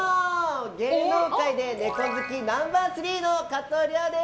芸能界でネコ好きナンバー３の加藤諒です。